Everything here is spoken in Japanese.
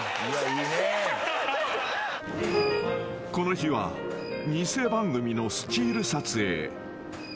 ［この日は偽番組のスチール撮影］